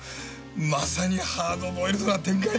まさにハードボイルドな展開だなぁ！